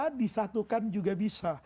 bukan bisa disatukan juga bisa